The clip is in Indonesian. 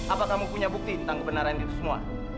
apa kamu punya bukti tentang kebenaran itu semua